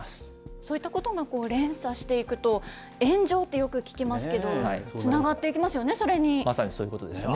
そういったことが連鎖していくと、炎上ってよく聞きますけど、まさにそういうことですね。